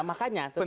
nah makanya tetapi